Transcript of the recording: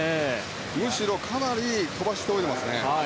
むしろかなり飛ばして泳いでますね。